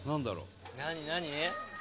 「何？何？」